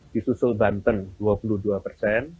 di susul banten dua puluh dua persen